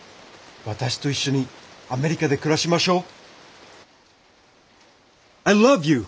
私と一緒にアメリカで暮らしましょう。